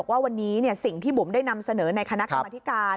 ว่าวันนี้สิ่งที่บุ๋มได้นำเสนอในคณะกรรมธิการ